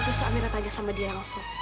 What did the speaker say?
terus amira tanya sama dia langsung